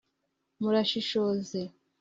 murashishoze